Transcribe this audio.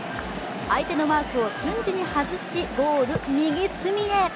相手のマークを瞬時に外し、ゴール右隅へ。